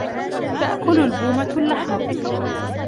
تأكل البومة اللحم.